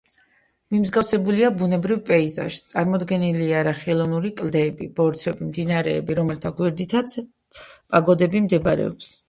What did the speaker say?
მიმსგავსებულია ბუნებრივ პეიზაჟს, წარმოდგენილია რა ხელოვნური კლდეები, ბორცვები, მდინარეები, რომელთა გვერდითაც პაგოდები მდებარეობს.